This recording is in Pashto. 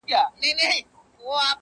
کورونا جدي وګڼئ-!